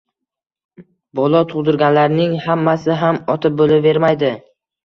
Bola tug’dirganlarning hammasi ham Ota bo’lavermaydi.